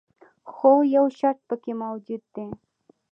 خو یو شرط پکې موجود دی.